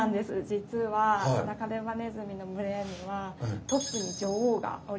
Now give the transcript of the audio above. じつはハダカデバネズミの群れにはトップに女王がおりまして。